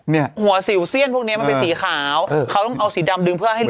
หัวสิวเสี้ยนพวกเนี้ยมันเป็นสีขาวเขาต้องเอาสีดำดึงเพื่อให้เหลือ